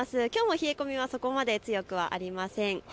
きょうも冷え込みがそこまで強くはありません。